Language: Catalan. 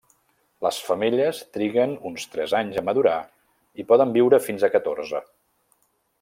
Les femelles triguen uns tres anys a madurar i poden viure fins a catorze.